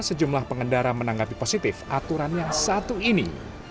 sejumlah pengendara menanggapi positif aturan yang satu ini